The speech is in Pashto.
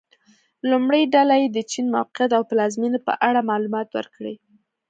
لومړۍ ډله دې د چین موقعیت او پلازمېنې په اړه معلومات ورکړي.